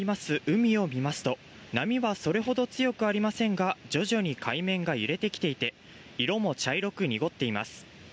海を見ますと波はそれほど強くありませんが徐々に海面が揺れてきていて色も茶色く濁っています。